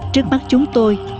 trước mắt chúng tôi